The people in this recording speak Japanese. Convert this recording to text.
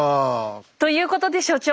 ということで所長。